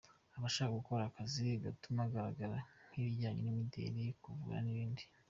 Aba ashaka gukora akazi gatuma agaragara nk’ibijyanye n’imideri, kuvura n’ibindi.